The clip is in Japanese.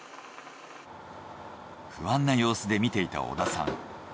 不安な様子で見ていた小田さん。